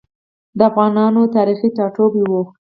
د افغانانو تاریخي ټاټوبی و.